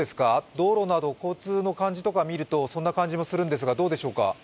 道路など交通の感じとかを見ると、そんな感じもするんですが、どうでしょうか？